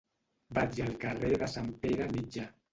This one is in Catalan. Vaig al carrer de Sant Pere Mitjà.